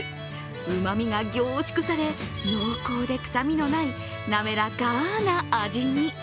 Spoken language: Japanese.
うまみが凝縮され濃厚で臭みのない滑らかな味に。